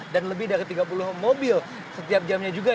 dan lebih dari tiga puluh mobil setiap jamnya juga